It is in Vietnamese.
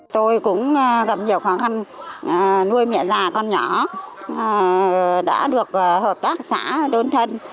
tôi cũng gặp nhiều khó khăn nuôi mẹ già con nhỏ đã được hợp tác xã đơn thân